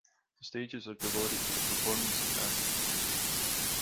The stages are devoted to the performance of dances and music.